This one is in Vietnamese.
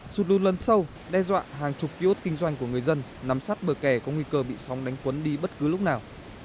sụt lươn sâu đe dọa hàng chục ký ốt kinh doanh của người dân nằm sát bờ kè có nguy cơ bị sóng đánh quấn đi bất cứ lúc nào